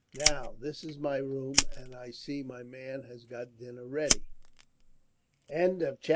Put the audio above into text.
"Now, this is my room, and I see my man has got dinner ready." Chapter 2: Joining.